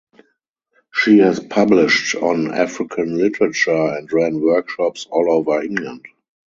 She has published on African literature and ran workshops all over England.